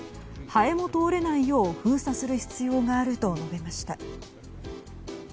ハエも通れないよう封鎖する必要があると述べました。